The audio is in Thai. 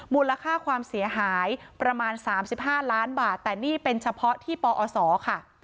มูลค่าความเสียหายประมาณ๓๕ล้านบาทแต่นี่เป็นเฉพาะที่ปอศค่ะ